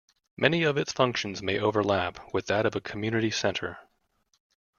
Many of its functions may overlap with that of a community centre.